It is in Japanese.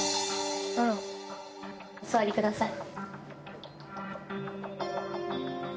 お座りください。